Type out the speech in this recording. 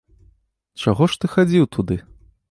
Чаго ж ты хадзіў туды?